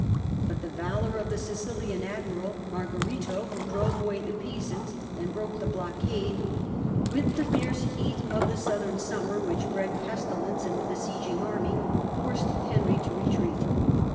But the valour of the Sicilian admiral Margarito, who drove away the Pisans and broke the blockade, with the fierce heat of the southern summer, which bred pestilence in the besieging army, forced Henry to retreat.